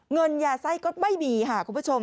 เงินยาไส้ก็ไม่มีค่ะคุณผู้ชม